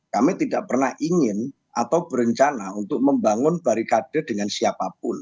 kami tidak pernah ingin atau berencana untuk membangun barikade dengan siapapun